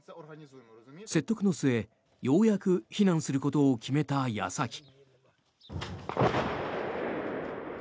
説得の末、ようやく避難することを決めた矢先。